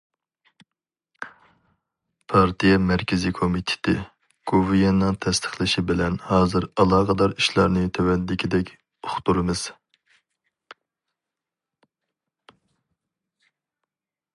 پارتىيە مەركىزىي كومىتېتى، گوۋۇيۈەننىڭ تەستىقلىشى بىلەن، ھازىر ئالاقىدار ئىشلارنى تۆۋەندىكىدەك ئۇقتۇرىمىز.